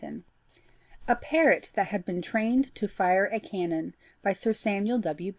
A PARROT THAT HAD BEEN TRAINED TO FIRE A CANNON By Sir Samuel W.